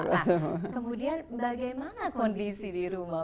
nah kemudian bagaimana kondisi di rumah